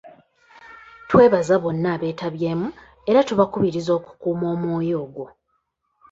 Twebaza bonna abeetabyemu era tubakubiriza okukuuma omwoyo ogwo.